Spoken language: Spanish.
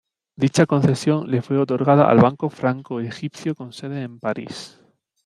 Dicha concesión le fue otorgada al Banco Franco Egipcio con sede en París.